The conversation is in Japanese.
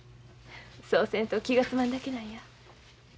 そうせんと気が済まんだけなんや。